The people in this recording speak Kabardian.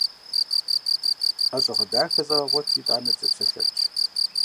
Ӏэщагъэ дахэ зэгъэгъуэти, итӀанэ дызэпсэлъэнщ!